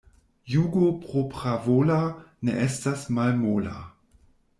Jugo propravola ne estas malmola.